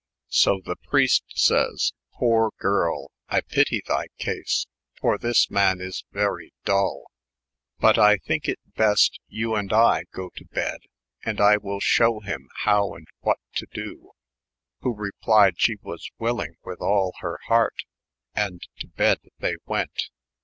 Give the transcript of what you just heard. So the preist says :" poor girle, I pittie thy cajse I for this man is verie dull ; hot I think it best yow & I go to bed, & I will shew him how and what to doe." who replyed she was willing with all her heart ;& to bed th€ went.